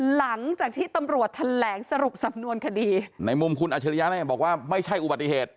หลังจากที่ตำรวจแถลงสรุปสำนวนคดีในมุมคุณอัชริยะเนี่ยบอกว่าไม่ใช่อุบัติเหตุ